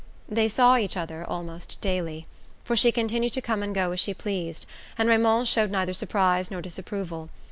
They saw each other almost daily, for she continued to come and go as she pleased, and Raymond showed neither surprise nor disapproval.